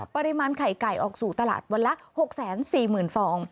ปริมาณไข่ไก่ออกสู่ตลาดวันละ๖๔๐๐๐ฟอง